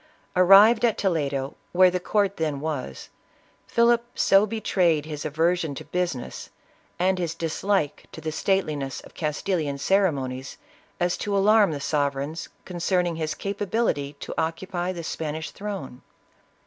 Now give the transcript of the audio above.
Arrived at Toledo, where the court then was, Philip so betrayed his aversion to business, and his dislike to the stateli ness of Castilian ceremonies, as to alarm the sovereigns concerning his capability to occupy the Spanish throne.